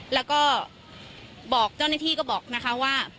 แล้วก็บอกเจ้าหน้าที่ก็บอกนะคะว่า